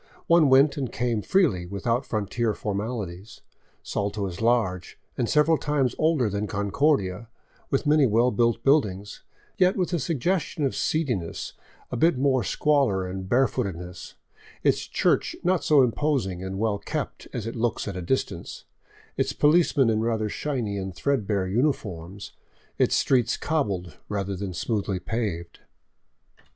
One went and came freely, without frontier formalities. Salto is large, and several times older than Concordia, with many well built buildings, yet with a sug gestion of " seediness," a bit more squalor and barefootedness, its church not so imposing and well kept as it looks at a distance, its police men in rather shiny and threadbare uniforms, its streets cobbled, rather than smoothly paved.